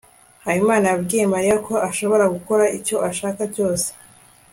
habimana yabwiye mariya ko ashobora gukora icyo ashaka cyose